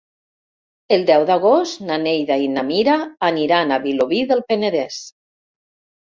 El deu d'agost na Neida i na Mira aniran a Vilobí del Penedès.